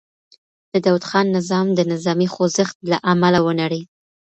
د داوود خان نظام د نظامي خوځښت له امله ونړېد.